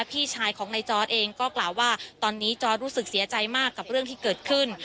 พี่ชายของนายจอร์ดเองก็กล่าวว่าตอนนี้จอร์ดรู้สึกเสียใจมากกับเรื่องที่เกิดขึ้น